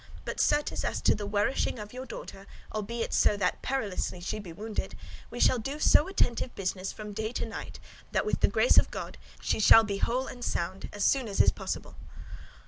But certes, as to the warishing [healing] of your daughter, albeit so that perilously she be wounded, we shall do so attentive business from day to night, that, with the grace of God, she shall be whole and sound, as soon as is possible."